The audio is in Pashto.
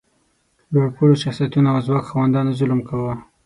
لوړ پوړو شخصیتونو او ځواک خاوندانو ظلم کاوه.